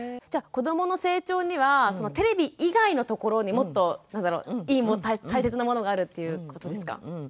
じゃ子どもの成長にはテレビ以外のところにもっと大切なものがあるっていうことですか？